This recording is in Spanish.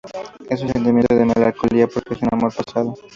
Es un sentimiento de melancolía porque es un amor pasado.